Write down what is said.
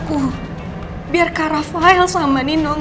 kalau kecil kak rafael nya bakal minum kecil